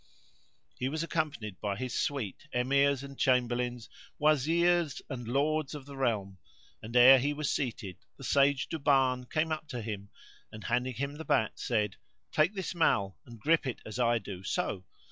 He was accompanied by his suite, Emirs and Chamberlains, Wazirs and Lords of the realm and, ere he was seated, the sage Duban came up to him, and handing him the bat said, "Take this mall and grip it as I do; so!